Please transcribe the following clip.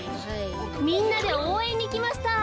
みんなでおうえんにきました。